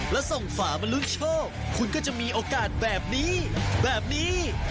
แล้วส่งฝามาลุ้นโชคคุณก็จะมีโอกาสแบบนี้แบบนี้